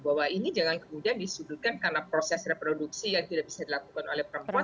bahwa ini jangan kemudian disudutkan karena proses reproduksi yang tidak bisa dilakukan oleh perempuan